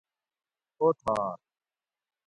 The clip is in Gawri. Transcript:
اوتھار